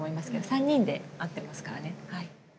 ３人で会ってますからねはい。